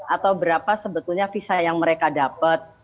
atau berapa sebetulnya visa yang mereka dapat